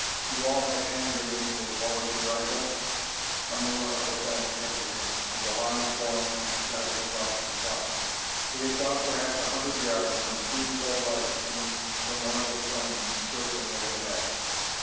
You all have hand grenades as well as your rifles?" A murmur of assent answered him and the line formed and started across the swamp. They had gone perhaps a hundred yards when three red lights came from one of the planes circling overhead.